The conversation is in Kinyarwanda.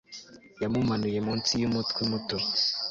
Yamumanuye munsi yumutwe muto